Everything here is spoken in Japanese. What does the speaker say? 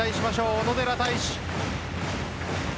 小野寺太志。